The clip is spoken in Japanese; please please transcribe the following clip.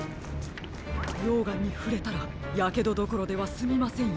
ようがんにふれたらやけどどころではすみませんよ。